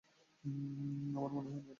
আমার মনে হয় না ওটা ভালুক ছিল।